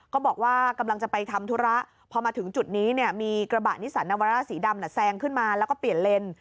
บอกว่ากำลังจะไปทำธุระพอมาถึงจุดนี้เนี่ยมีกระบะนิสันนาวาร่าสีดำแซงขึ้นมาแล้วก็เปลี่ยนเลน